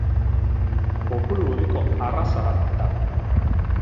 Kopuru urriko arraza bat da.